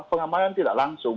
pengamanan tidak langsung